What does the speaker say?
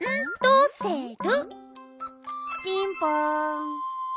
ピンポン！